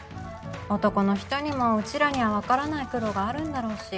男の人にもうちらには分からない苦労があるんだろうし。